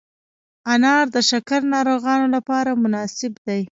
انار د شکر ناروغانو لپاره مناسب دی.